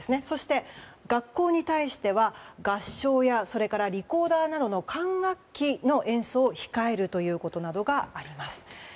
そして学校に対しては合唱やそれからリコーダーなどの管楽器の演奏を控えるということなどがあります。